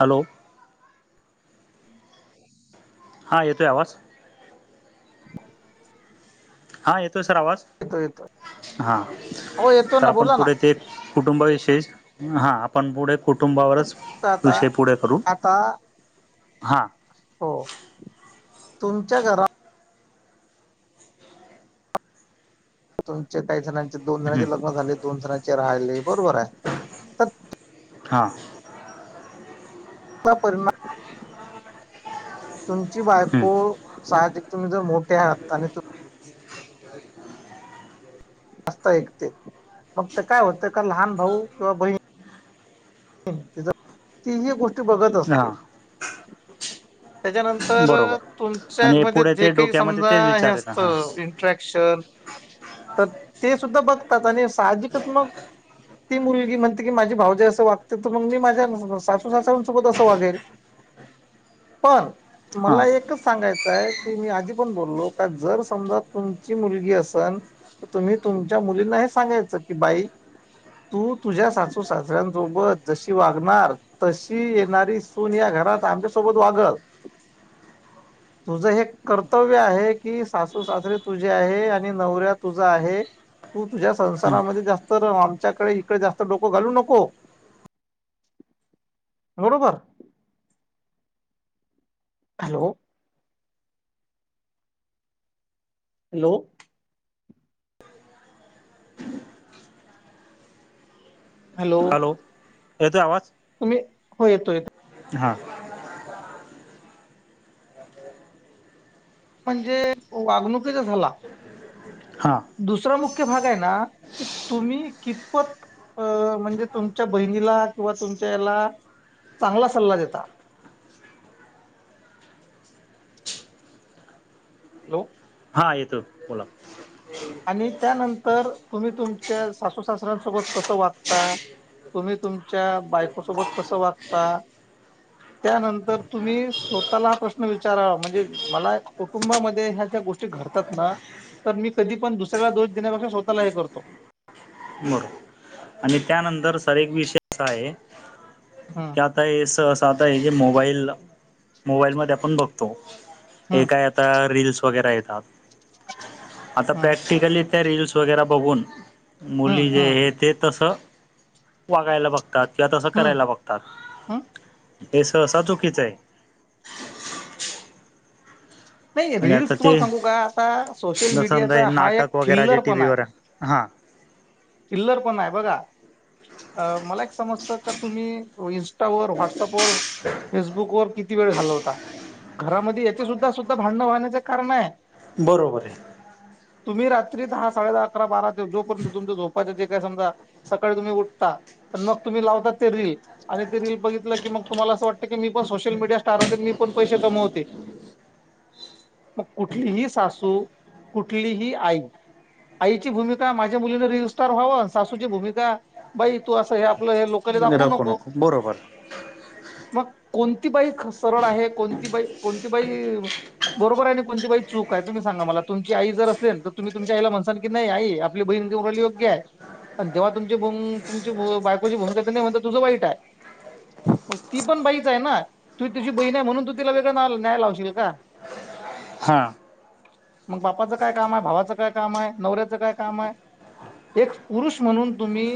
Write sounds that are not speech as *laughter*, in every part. Hello. हा येतो ये आवाज? हा येतोय सर आवाज? येतो येतो हा हो येतो तर ना आपण बोला ना पुढे ते कुटुंबाविशेष हा आपण पुढे कुटुंबावरच आता आता विषय पुढे करू. आता हा. हो तुमच्या घरा तुमचे काही जणांचे दोन हं जणांचे लग्न झाले, दोन जणांचे राहिले. बरोबर आहे. तर. हां. परणाम तुमची हं बायको साहजिक तुम्ही जर मोठे आहात. आणि तु असता एक ते. मग ते काय होत का, लहान भाऊ किंवा बहीण तथ तीही गोष्टी बघत हां असते. त्याच्यानंतर बरोबर तुमच्या आणि मध्ये पुढे जे ते काही डोक्यामध्ये समजा तेच हे विचार येत असत. हां एट्रेक्शन तर ते सुद्धा बघतात. आणि साहजिकच मग ती मुलगी म्हणते की, माझी भावजाई असं वागते तर मग मी माझ्या सासू सासऱ्यां सोबत असं वागेल. पण. हां मला एकच सांगायचं आहे. की मी आधी पण बोललो, का जर समजा तुमची मुलगी आसन तुम्ही तुमच्या मुलींना हे सांगायचं की, बाई तू तुझ्या सासू सासऱ्यांसोबत जशी वागणार तशी येणारी सून या घरात आमच्यासोबत वागल. ह *unintelligible* तुझं हे कर्तव्य आहे की, सासू सासरे तुझे आहे आणि नवरा तुझा आहे. तू तुझ्या संसारामध्ये जास्त रम आमच्याकडे इकडे जास्त डोकं घालू नको. *inaudible* बरोबर हॅलो. हॅलो. हॅलो येतोय आवाज? तुम्ही हो येतो येत. हा. म्हणजे वागणुकीचा झाला. हां दुसरा मुख्य भाग आहे ना की तुम्ही कितपत अ म्हणजे तुमच्या बहिणीला किंवा तुमच्या याला चांगला सल्ला देता. हॅलो. हा येतो बोला. आणि त्यानंतर तुम्ही तुमच्या सासू सासऱ्यां सोबत कसं वागता. तुम्ही तुमच्या बायकोसोबत कसं वागता. त्यानंतर तुम्ही स्वतःला हा प्रश्न विचारावा म्हणजे मला कुटुंबामध्ये ह्या ज्या गोष्टी घडतात ना तर मी कधी पण दुस्याला दो देण्यापेक्षा स्वःला हे करतो. बरोबर. आणि त्यानंतर सर एक विषय असा आहे. हा. अस आता ज मोबाईल मोबाईल मधे आपण बघतो हम्म एका. रीलस वगैरे येतात आता हम्म प्रॅक्टिकली त्या रीलीलस वगैरे बघून हम्म मुली जे हम्म आहे ते तसं वागायला बघतात. तात किंवा तसं हं करायला बघतात हं हे सहसा चुकीचं आहे. नाही म्हणजे रील्स आता तुम्हाला ते सांगू का आता सोशल जसंज मीडियाचा हा एक नाटक वगैरे जे थिल्लर टी व्ही वर हा. चिल्लर पण आहे बघा मला एक समजतं का तुम्ही इंस्टावर व्हॉट्स वर फेसबुकवर किती वेळ घालवता घरामध्ये याचे सुद्धा सुद्धा भांडंण होण्याचं कारण आहे. बरोबर आहे. तुम्ही रात्री दहा साडे दहा अकरा बारा ते जोपर्यंत तुमच्या झोपायचे जे काय समजा सकाळी तुम्ही उठता मग तुम्ही लावता ते रील. आणि ते रील बघितलं की मग तुमला अस वाटतं की मी पण सोशल मीडया स्टार होते मी पण पैसे कमवते. *inaudible* मग कुठलीही सासू कुठलीही आई आईची भूमिका माझ्या मुलीने रील्स रील स्टार व्हाव सासूची भूमिका बाई तू हे असं आपलं हे ब ले दाखवू नको. मग कोणती बाई सरळ आहे कोणती बाई कोणती बाई बरोबर आहे ना कोणती बाई चूक तुम्ही सांगा मला. तुमची आई जर असल तर तुम्ही तुमच्या आईला म्हण नाही आई आपली बहीण बरोबरे जेव्हा तुमची भ तुमची बायकोची भूमिका नाही म्हणत तुझं वाईट आहे. मग ती पण बाईच आहे ना ती तिझ बहीण आहे म्हणून तू तिला वेगळा न्याय लावशील का? हा. मग बापाचं काय काम आहे? भावाचं काय काम आहे? नवऱ्याचं काय काम आहे? एक पुरुष म्हणून तुम्ही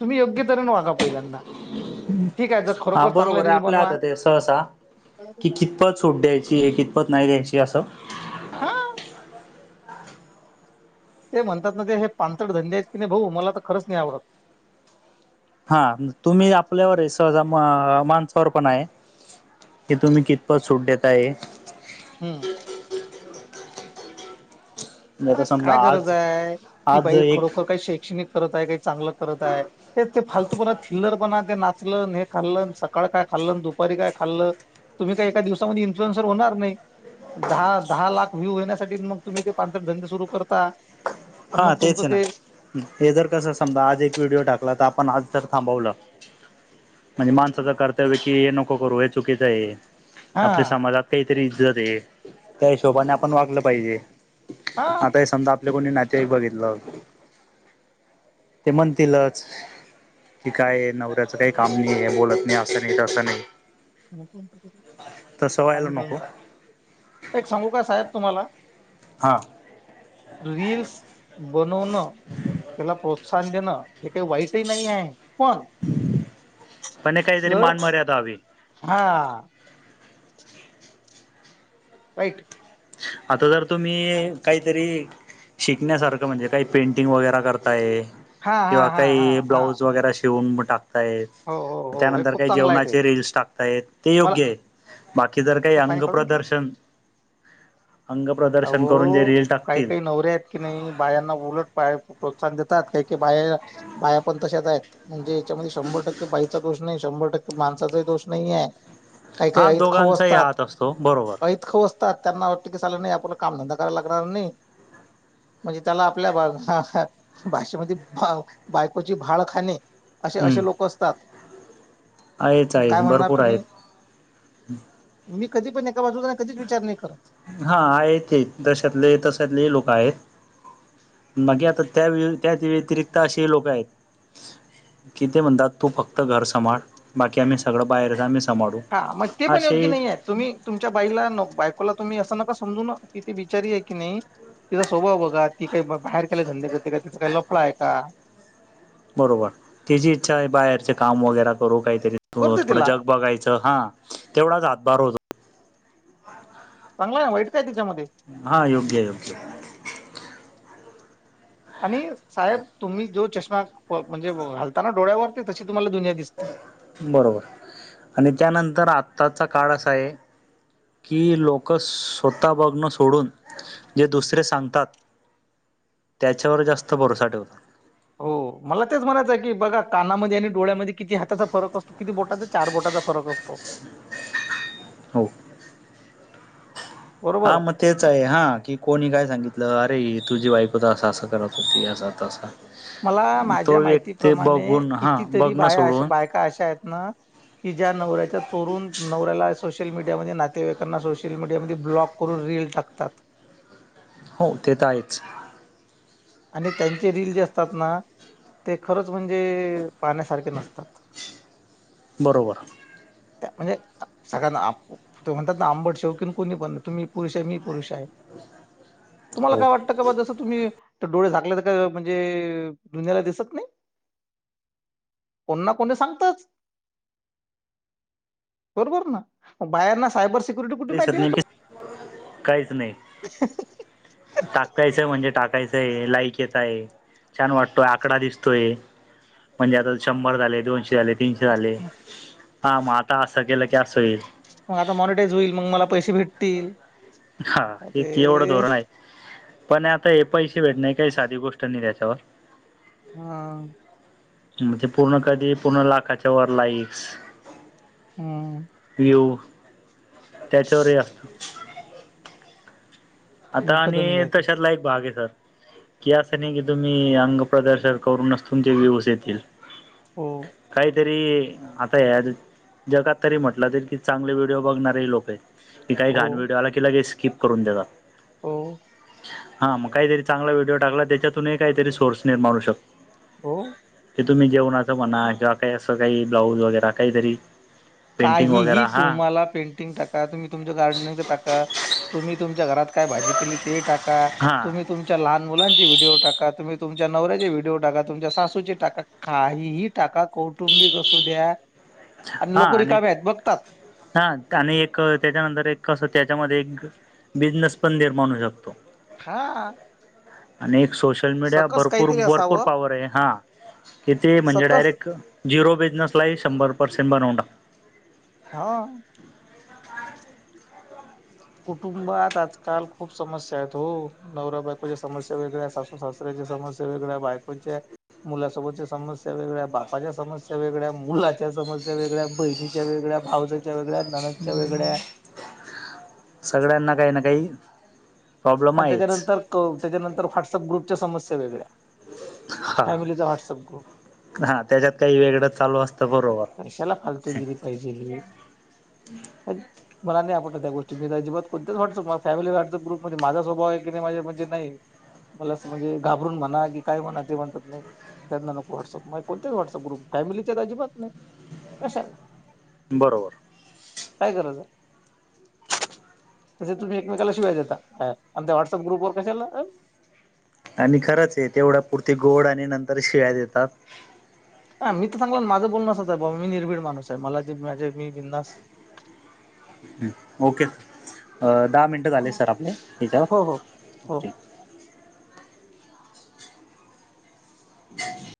तुम्ही योग्य तऱ्हेने वागा पहिल्यांदा. ठीक आहे जर हा खरोखर चांगल्या बरोबर आहे रील आपल्या हात बनवा. ते सहसा की कि कितपत सूट द्यायची आहे कितपत नाही द्यायची असं. हा. ते म्हणतात ना ते हे पांचट धंदे आहेत की नाही भाऊ मला तर खरच नाही आवडत. हा तुम्ही आपल्यावर सहजा म माणसावर पण हाय. की तुम्ही कितपत सूट देताय. हम्म. अ आता समजा काय गरज आज आहे? ती आज बाई एक खरोखर काही शैक्षणिक करत आहे काही चांगलं करत आहे. तेच ते फालतू पणा थिल्लर पणा ते नाचल हे खाल्ल सकाळ काय खाल्ल दुपारी काय खाल्ल? तुम्ही काही एका दिवसामध्ये इन्फ्लुएन्सर होणार नाही. दहा दहा लाख व्ह्यू होण्यासाठी मग तुम्ही ते धंदे सुरू करता. पण हा मग तुमचं तेच ना ते हे जर कस समजा आज एक व्हिडिओ टाकला तर आपण आज जर थांबवलं. म्हणजे माणसाचं कर्तव्य की हे नको करू हे चुकीचं आहे. हा आपल्या समाजात काहीतरी इज्जत आहे त्या हिशोबाने आपण वागलं पाहिजे. हा आता हे समजा आपले कोणी नातेवाईक बघितलं. ते म्हणतीलच. की काय नवऱ्याचं काही काम नाही आहे बोलत नाही असं नाही तस नाही. तसं व्हायला पाणी काडून नको टाक. एक सांगू का साहेब तुम्हाला? हां. रिल्स बनवण त्याला प्रोत्साहन देणं हे काही वाईटही नाही आहे. पण पण हे काहीतरी जर *unintelligible* हा. राईट. आता जर तुम्ही काहीतरी शिकण्यासारखं म्हणजे काही पेंटिंग वगैरे करताय हा हा किंवा हा हा काही हा ब्लाऊज वगैर श ठेवून म टाकताय हो हो हो हे त्यानंतर खूप काही चांगलं आहे ते जेवणाचे रीलस टाकताय ते मला योग्य आहे. बाकी जर काही हे अंग पाणी काढून घेतलं प्रदर्शन अंग प्रदर्शन करून जे अहो रील काही टाकतील काही *unintelligible* नवरे आहेत की नाही बायाना उलट प्रोत्साहन देतात काही की त्यांच्या बाइ बाया पण तशच आहेत म्हणजे याच्यामध्ये शंभर टक्के बाईचा दोष नाही शंभर टक्के माणसाचाही दोष नाहीय काही काही हा ऐत खाऊ दोघांचाही असतात हात असतो बरोबर ऐत खाऊ असतात त्यांना वाटत की चला नाही कुठ कामधंदा कराला लागणार नाही म्हणजे त्याला आपल्या भाषेमध्ये बा बायकोची भाडखाणे असे हम्म असे लोक असतात आहेच काय आहेच म्हणणार भरपूर तुम्ही आहेत *unintelligible* मी कधी पण एका बाजूला कधीच विचार नाही करत हा आहेत हे तशतले तशतले लोक आहेत बाकी आता त्या व त्या व्यतिरिक्त असे लोक आहेत किती म्हणतात तू फक्त घर सभाळ बाकी आम्ही सगळं बाहेरच आम्ही सांभाळू हा मग ते पण असे योग्य नाही *unintelligible* आहे तुम्ही तुमच्या बाईला बायकोला तुम्ही असं नका समजू न ती बिचारी आहे की नाही तिचा स्वभाव बघा ती काही बाहेर केले धंदे करत तिचा काही लपलाय का बरोबर तची इच्छा आहे बाहेरचे काम वगैरे करू काहीतरी करू दे थोडं तिला जग बघायचं हा *unintelligible* तेवढाच हातभार होतो *unintelligible* चांगलाय वाईट काय तिच्यामध्ये *unintelligible* हा योग्य योग्य *unintelligible* आणि साहेब तुम्ही जो चष्मा म्हणजे घालताना डोळ्यावरती तशी तुम्हाला दुनिया दिसते *unintelligible* बरोबर आणि त्यानंतर आत्ताचा काळ असा आहे की लोक स्वतः बघणं सोडून जे दुसरे सांगतात त्याच्यावर जास्त भरोसा ठेवतात *unintelligible* हो मला तेच म्हणायचं आहे की बघा कानामध्ये आणि डळ्यामध्ये किती हाताचा फरक असतो किती बोटाचा चार बोटाचा फरक असतो *unintelligible* हो *unintelligible* हा म *unintelligible* तेच आहे हां की कोणी काय सांगितलं अरे तुझी बाईकोच असं असं करत होती अस आता अस *unintelligible* मला माझ्या माहितीप्रमाणे बघून हा कितीतरी बघणं बाया अशा सोडून बायका अशा आहेत ना कि ज्या नवऱ्याच्या चोरून नवऱ्याला सोशल मीडियामध्ये नातेवाईकांना सोशल मीडियामध्ये ब्लॉक करून रील टाकतात *unintelligible* हो ते तर आहेच *unintelligible* आणि त्यांचे रीली जे असतात ना ते खरंच म्हणजे पाहण्यासारखे नसतात बरोबर *unintelligible* त्या म्हणजे सगळ्यांना आप *unintelligible* ते म्हणतात आंबट शोकीन कोणी पण तुम मी पुरुष आहे मी पुरुष आहे तुम्हाला हो काय वाटत का बा जसं तुम्ही डोळे झाकले तर का म्हणजे धुन्याला दिसत नाही *unintelligible* कोणना कोणी सांगतच *unintelligible* बरोबर ना बाहेर ना सायबर *unintelligible* सिक्युरिटी कुठे दिसत माहितीय नाही हजू टाकायचंय म्हणजे टाकायचंय लाईक येत आहे *unintelligible* छान वाटतोय आकडा दिसतोय म्हणजे आता शंभर झाले दोनशे आले तीनशे झाले हा मग आता असं केलं की असं होईल *unintelligible* मग आता मॉनिटाईज होईल मग मला पैसे भेटतील *unintelligible* हा हे केवढ अरे धोरण आहे *unintelligible* पण आता हे पैसे भेटणे काही साधी गोष्ट नाही त्याच्यावर हा *unintelligible* म्हणजे पूर्ण कधी पूर्ण लाखाच्या वर लाईक्स *unintelligible* हम्म *unintelligible* व्यू त्याच्यावरही असतो *unintelligible* आता मूर्ख आणि धंदे आहे ते तशातला एक भाग आहे सर *unintelligible* कि असं नाही की तुम्ही अंग प्रदर्शन करूनच तुमचे व्हीवर्स येतील.... हो काहीतरी आता ह्या जगात तरी म्हटलं जाईल की चांगले व्हिडिओ बघणारे हे लोक आहेत..... की काही हो घाण व्हडिओ आला की लगेच स्किप करून देतात. हो.... हा मग काहीतरी चांगला व्हिडिओ टाकला त्याच्यातूनही काहीतरी सोर्स निर्माणू होऊ शकतो. हो.... की तुम्ही जेवणाचं म्हणा किंवा काही असं काही ब्लाऊज वगैरे काहीतरी.... पेंटिंग वगैरे काहीही हा तुम्हाला पेंटिंग टाक..... तुम्ही तुमच गार्डनच टाका तुम्ही तुमच्या घरात काय भाजी केली ते टाका हा तुम्ही तुम.... तुमच्या लहान मुलांचे व्हिडीओ टाका तुम्ही तुमच्या नवऱ्याचे व्हिडिओ टाका तुमच्या सासूचे टाका.... काहीही टाका कौटुंबिक असू द्या.... हा लोक आणि.... रिकामे आहेत बघतात. हा आणि एक त्याच्यानंतर एक कसं त्याच्यामध्ये एक... बिझनेस पण निर्माण होऊ शकतो. हा.... अनेक सोश... सोशल मीडिया सकस भरपूर काहीतरी भरपूर असावं पॉवर आहे हा कि ते म्हणजे सकस डायरेक.... झिरो बिजनसलाही शंभर परर्सेंट बनवून टाकत. हो.. कुटुंबात आजकाल खूप समस्या आहेत हो... नवऱ्या बायकोच्या समस्या वेगळ्या सासू सासऱ्याचा समस्या वेगळ्या बायकोच्या... मुलासोबतच्या समस्या वेगळ्या बापाच्या समस्या वेगळ्या मुलाच्या समस्या वेगळ्या बहिणी.... वेगळ्या भावजच्या वेगळ्या..... ननदच्या वेगळ्या सगळ्यांना काही ना काही..... प्रॉब्लेम आणि आहेच त्याच्यानंतर कव त्याच्यानंतर व्हॉट्सअप ग्रुपच्या समस्या वेगळ्या... हा फॅमिलीचा व्हाट्सअप ग्रुप हा त्याच्यात काही वेगळं चालू असतं बरोबर कशाला फालतु.... कधीबी पाहिजे. मला नाही आपटत त्या गोष्टी अजिबात कोणतच व्हॉट्सअप फॅमिली व्हॉट्सअप ग्रुप..... माझा स्वभाव आहे की नाही माझे म्हणजे नाही. मला असं म्हणजे घाबरून म्हणा की काय म्हणा ते म्हणतात नाही. त्यांना नको व्हॉट्सअप कोणतेच व्हॉट्सअप ग्रुप फॅमिलीच्या अजिबात नाही कशाला..... बरोबर..... काय गरज आहे तसे तुम्ही एकमेकाला शिव्या देता. अ आमच्या वॉट्सअप ग्रुप वर कशाला अ... आणि खरंच आहे तेवढा पुरती गोड आणि नंतर शिव्या देतात. ह मी तर सांगला माझं बोलणसच आहे मी निर्भीड माणूस आहे मला जे माझे मी बिनधास्त... ओके अ. दहा मिनिटं... हो हो हो.... ओके ह....